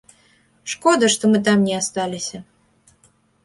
Шкода, што мы там не асталіся.